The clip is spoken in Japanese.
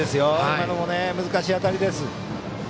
今のも難しい当たりです。